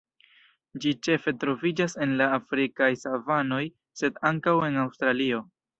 Ĝi ĉefe troviĝas en la afrikaj savanoj sed ankaŭ en Aŭstralio.